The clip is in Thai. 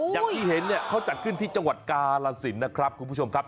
อย่างที่เห็นเนี่ยเขาจัดขึ้นที่จังหวัดกาลสินนะครับคุณผู้ชมครับ